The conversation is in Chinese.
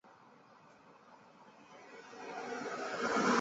马尔默市是瑞典南部斯科讷省的一个自治市。